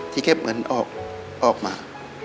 เก็บเงินออกมา